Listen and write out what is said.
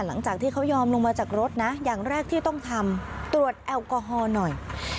หลังจากที่เขายอมลงมาจากรถนะอย่างแรกที่ต้องทำตรวจแอลกอฮอล์หน่อย